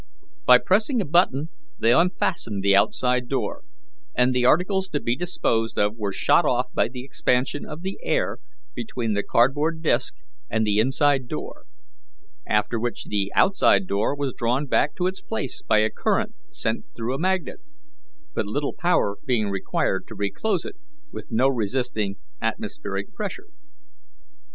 By pressing a button they unfastened the outside door, and the articles to be disposed of were shot off by the expansion of the air between the cardboard disk and the inside door; after which the outside door was drawn back to its place by a current sent through a magnet, but little power being required to reclose it with no resisting atmospheric pressure.